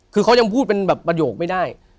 คือเขายังพูดเป็นแบบประโยคไม่ได้